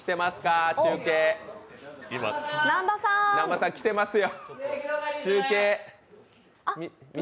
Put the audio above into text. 南波さん、きてますよ。